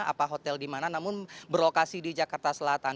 apa hotel di mana namun berlokasi di jakarta selatan